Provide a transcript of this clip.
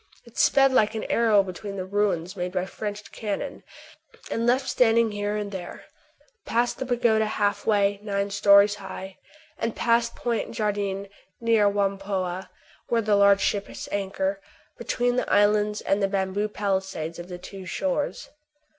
It sped like an arrow between the ruins made by French cannon, and left standing here and there ; past the pagoda Haf Way, nine stories high ; and past Point Jardyne, near Whampoa, where the large ships anchor, between the islands and the bamboo palisades of the two shores.